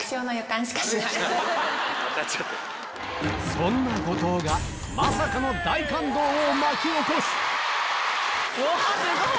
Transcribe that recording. そんな後藤がまさかの大感動を巻き起こすすごい！